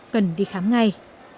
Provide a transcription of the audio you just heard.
cần đi khám ngay